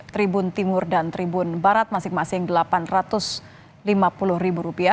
tribun timur dan tribun barat masing masing rp delapan ratus lima puluh